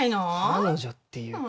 彼女っていうか。